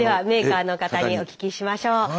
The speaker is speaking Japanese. メーカーの方にお聞きしましょう。